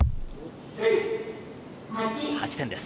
８点です。